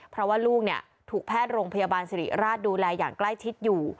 เพราะว่าลูกถูกแพทย์โรงพยาบาลสิริราชดูแลอย่างใกล้ชิดอยู่